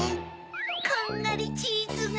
こんがりチーズが。